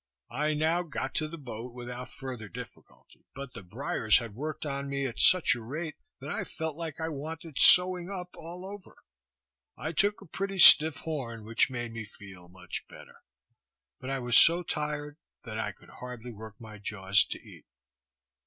I now got to the boat, without further difficulty; but the briers had worked on me at such a rate, that I felt like I wanted sewing up, all over. I took a pretty stiff horn, which soon made me feel much better; but I was so tired that I could hardly work my jaws to eat.